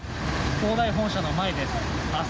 恒大本社の前です。